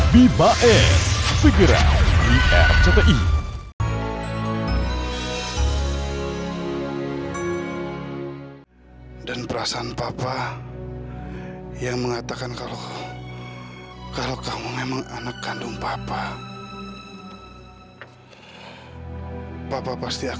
bibae segera di rti